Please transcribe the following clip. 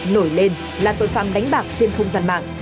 nổi lên là tội phạm đánh bạc trên không gian mạng